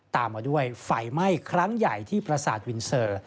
ตามมาด้วยไฟไหม้ครั้งใหญ่ที่ประสาทวินเซอร์